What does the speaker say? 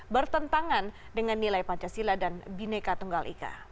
bertentangan dengan nilai pancasila dan bineka tunggal ika